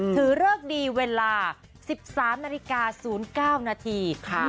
ถือเลิกดีเวลา๑๓นาฬิกา๐๙นาที๑๓๐๙